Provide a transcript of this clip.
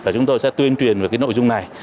chúng tôi sẽ tuyên truyền về nội dung này